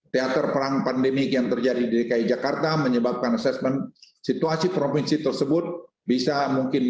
teater perang pandemik yang terjadi di dki jakarta menyebabkan asesmen situasi provinsi tengah jawa jawa dan jawa